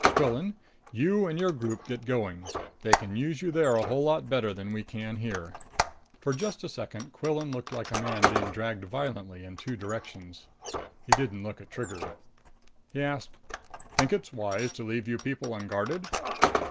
"Quillan, you and your group get going! They can use you there a whole lot better than we can here." For just a second, Quillan looked like a man being dragged violently in two directions. He didn't look at Trigger. He asked, "Think it's wise to leave you people unguarded?"